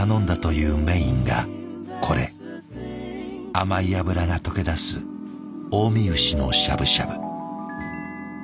甘い脂が溶け出す近江牛のしゃぶしゃぶ。